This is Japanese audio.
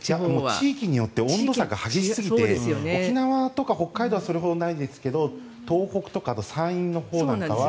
地域によって温度差が激しすぎて沖縄、北海道はそれほどないんですけど東北とか山陰のほうなんかは。